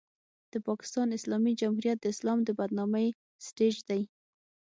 د پاکستان اسلامي جمهوریت د اسلام د بدنامۍ سټېج دی.